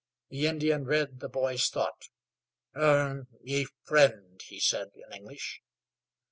The Indian read the boy's thought. "Ugh! Me friend," he said in English.